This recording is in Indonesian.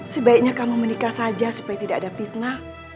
sebaiknya kamu menikah saja supaya tidak ada fitnah